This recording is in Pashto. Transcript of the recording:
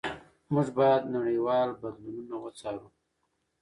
موږ باید نړیوال بدلونونه وڅارو.